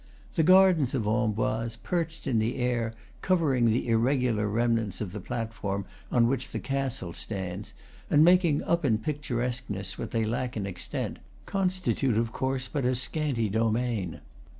The gardens of Am boise, perched in the air, covering the irregular rem nants of the platform on which the castle stands, and making up in picturesqueness what they lack in ex tent, constitute of come but a scanty domain.